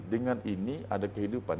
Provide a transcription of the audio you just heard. dengan ini ada kehidupan